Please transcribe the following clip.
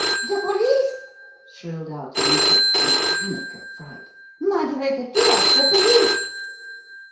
"The police!" shrilled out Anita in a panic of fright. "Madre de Dios, the police!"